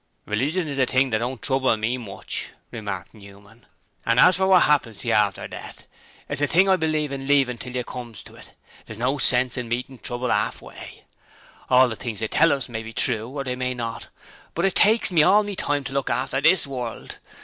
'Religion is a thing that don't trouble ME much,' remarked Newman; 'and as for what happens to you after death, it's a thing I believe in leavin' till you comes to it there's no sense in meetin' trouble 'arfway. All the things they tells us may be true or they may not, but it takes me all my time to look after THIS world.